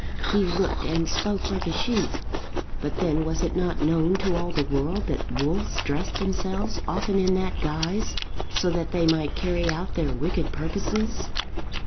He looked and spoke like a sheep; but then, was it not known to all the world that wolves dressed themselves often in that guise, so that they might carry out their wicked purposes?